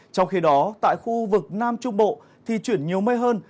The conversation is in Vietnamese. trong khi đó tại khu vực nam trung bộ thì chuyển nhiều mây hơn